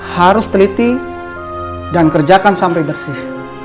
harus teliti dan kerjakan sampai bersih